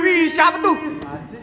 wih siapa tuh